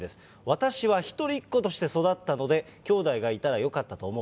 私は一人っ子として育ったので、きょうだいがいたらよかったと思う。